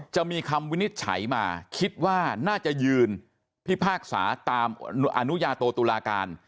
จะมีคำวินิจฉัยมาคิดว่าน่าจะยืนพิพากษาตามอนุญาโตตุลาการ